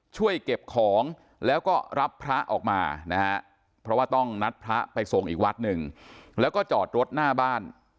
ช่วยเก็บของแล้วก็รับพระออกมานะฮะเพราะว่าต้องนัดพระไปส่งอีกวัดหนึ่งแล้วก็จอดรถหน้าบ้าน